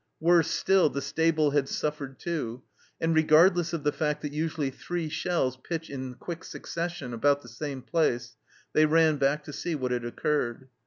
Worse still, the stable had suffered too, and regardless of the fact that usually three shells pitch in quick succession about the same place, they ran back to see what had occurred.